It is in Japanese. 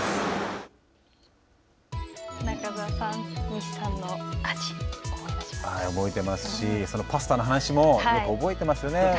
西さんの味、覚えてますしパスタの話もよく覚えてますよね。